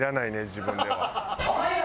自分では。